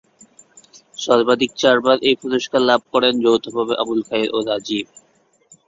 সর্বাধিক চারবার এই পুরস্কার লাভ করেন যৌথভাবে আবুল খায়ের ও রাজিব।